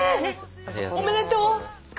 おめでとう。